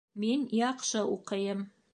Мин яҡшы уҡыйым.